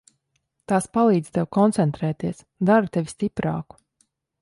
Tās palīdz tev koncentrēties, dara tevi stiprāku.